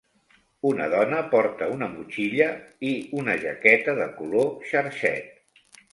Una dona porta una motxilla i una jaqueta de color xarxet